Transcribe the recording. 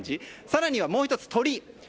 更にはもう１つ、鳥。